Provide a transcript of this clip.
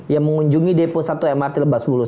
yang mengunjungi depo satu mrt lebas bulus